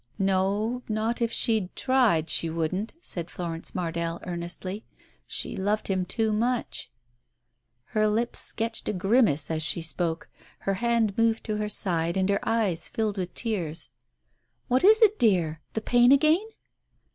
"No, not if she'd tried, she wouldn't," said Florence Mardell earnestly. "She loved him too much !" Her lips sketched a grimace as she spoke; her hand moved to her side and her eyes filled with tears. " What is it, dear ? The pain again